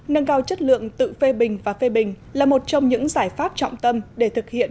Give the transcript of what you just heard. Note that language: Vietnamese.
nâng cao chất lượng tự phê bình và phê bình là một trong những giải pháp trọng tâm để thực hiện